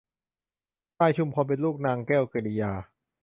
พลายชุมพลเป็นลูกนางแก้วกิริยา